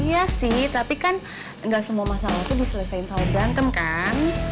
iya sih tapi kan gak semua masalah tuh diselesaikan sama bergantem kan